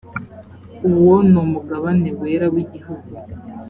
uwo ni umugabane wera w igihugu